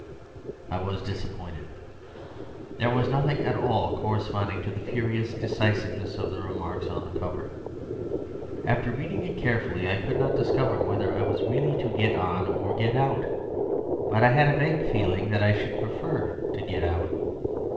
I was disappointed. There was nothing at all corresponding to the furious decisiveness of the remarks on the cover. After reading it carefully I could not discover whether I was really to get on or to get out; but I had a vague feeling that I should prefer to get out.